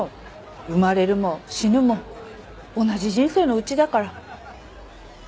生まれるも死ぬも同じ人生のうちだから。